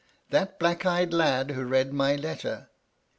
That black eyed lad who read my letter